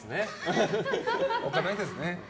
置かないですよね。